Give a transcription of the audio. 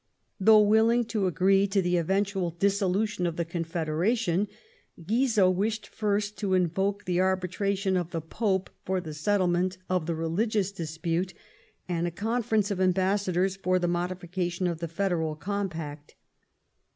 Though willing to agree to the eventual dissolution of the Confederation, Guizot wished first to invoke the arbitration of the Pope for the. settlement of the religious dispute, and a conference of ambassadors for the modification of the Federal compact.